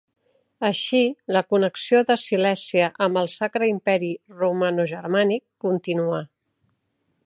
Així, la connexió de Silèsia amb el Sacre Imperi Romanogermànic continuà.